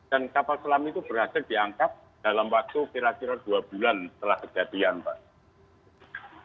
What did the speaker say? dan kapal selam itu berhasil diangkat dalam waktu kira kira dua bulan setelah kejadian pak